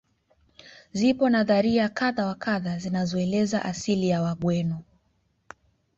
Zipo nadharia kadha wa kadha zinazoeleza asili ya wagweno